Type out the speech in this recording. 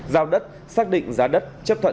giao đất xác định giá đất